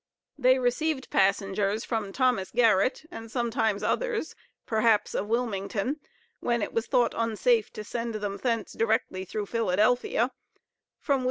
They received passengers from Thomas Garrett, and sometimes others, perhaps, of Wilmington, when it was thought unsafe to send them thence directly through Philadelphia; from Wm.